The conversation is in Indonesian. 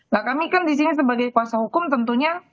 nah kami kan di sini sebagai kuasa hukum tentunya